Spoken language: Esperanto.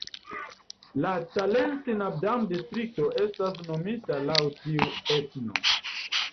La Talensi-Nabdam-Distrikto estas nomita laŭ tiu etno.